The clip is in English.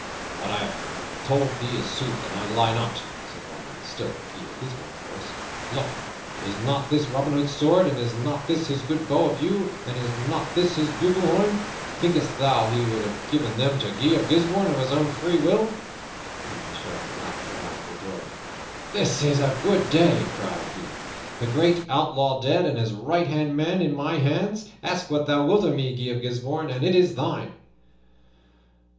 "What I have told thee is sooth, and I lie not," said Robin, still in Guy of Gisbourne's voice. "Look, is not this Robin Hood's sword, and is not this his good bow of yew, and is not this his bugle horn? Thinkest thou he would have given them to Guy of Gisbourne of his own free will?" Then the Sheriff laughed aloud for joy. "This is a good day!" cried he. "The great outlaw dead and his right hand man in my hands! Ask what thou wilt of me, Guy of Gisbourne, and it is thine!"